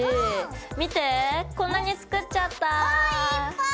見てこんなに作っちゃったぁ！